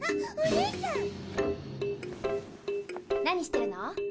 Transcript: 何してるの？